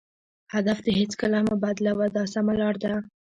هدف دې هېڅکله مه بدلوه دا سمه لار ده.